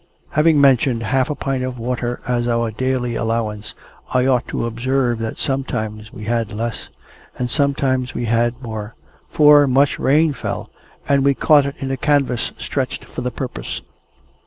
Having mentioned half a pint of water as our daily allowance, I ought to observe that sometimes we had less, and sometimes we had more; for much rain fell, and we caught it in a canvas stretched for the purpose.